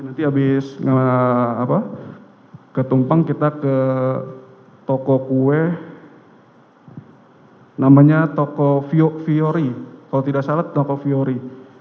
nanti habis ke tumpeng kita ke toko kue namanya toko fiori kalau tidak salah toko fiori